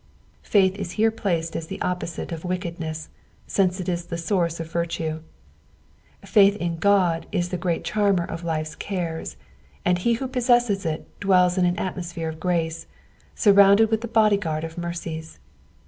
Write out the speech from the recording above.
Faith is here placed as the opposite of wickedness, since it is the source of virtue. Faith in Qod is tlio great charmer of life's cares, and ho who possesses it, dwells in an atmosphere of grace, surrounded with the body guard of mercies.